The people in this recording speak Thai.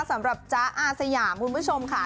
สำหรับจ๊ะอาสยามคุณผู้ชมค่ะ